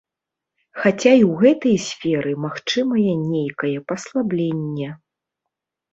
Хаця і ў гэтай сферы магчымае нейкае паслабленне.